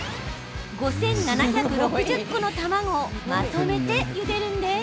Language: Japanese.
５７６０個の卵をまとめてゆでるんです。